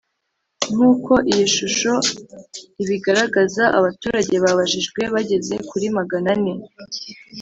Nk uko iyi shusho ibigaragaza abaturage babajijwe bageze kuri Magana ane